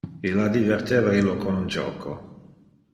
Illa diverteva illo con un joco.